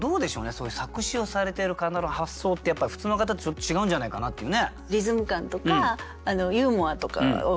そういう作詞をされてる方の発想ってやっぱり普通の方とちょっと違うんじゃないかなっていうね。と思います。